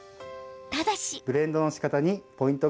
ただし。